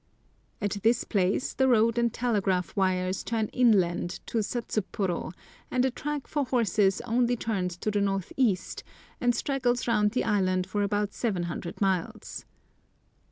At this place the road and telegraph wires turn inland to Satsuporo, and a track for horses only turns to the north east, and straggles round the island for about seven hundred miles.